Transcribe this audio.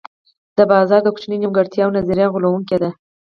د بازار د کوچنیو نیمګړتیاوو نظریه غولوونکې ده.